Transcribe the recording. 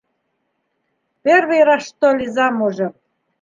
Первый раз что ли замужем?